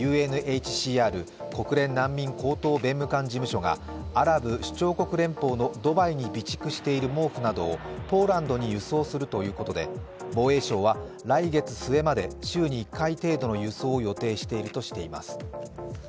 ＵＮＨＣＲ＝国連難民高等弁務官事務所がアラブ首長国連邦のドバイに備蓄している毛布などをポーランドに輸送するということで防衛省は来月末まで週に１回程度の輸送を予定しているとしています。